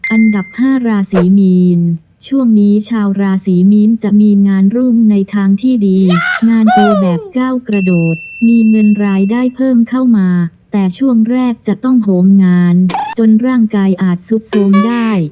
อันดับ๕ราศีมีนช่วงนี้ชาวราศีมีนจะมีงานรุ่งในทางที่ดีงานโตแบบก้าวกระโดดมีเงินรายได้เพิ่มเข้ามาแต่ช่วงแรกจะต้องโหมงานจนร่างกายอาจซุดโทรมได้